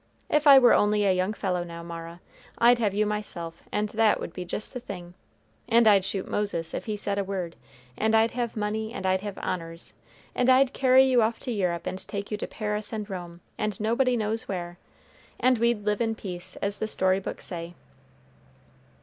"If I were only a young fellow now, Mara, I'd have you myself, and that would be just the thing; and I'd shoot Moses, if he said a word; and I'd have money, and I'd have honors, and I'd carry you off to Europe, and take you to Paris and Rome, and nobody knows where; and we'd live in peace, as the story books say."